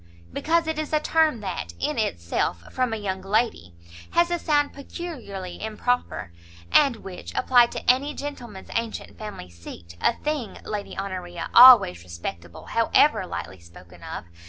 "Because it is a term that, in itself, from a young lady, has a sound peculiarly improper; and which, applied to any gentleman's antient family seat, a thing, Lady Honoria, always respectable, however lightly spoken of!